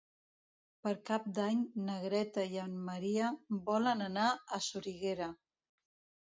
Per Cap d'Any na Greta i en Maria volen anar a Soriguera.